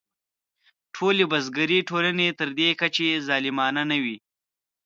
ټولې بزګري ټولنې تر دې کچې ظالمانه نه وې.